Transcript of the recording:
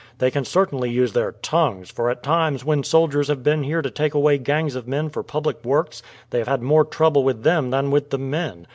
They can certainly use their tongues; for at times, when soldiers have been here to take away gangs of men for public works, they have had more trouble with them than with the men.